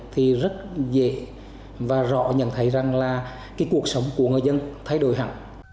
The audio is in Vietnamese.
thì rất dễ và rõ nhận thấy rằng là cái cuộc sống của người dân thay đổi hẳn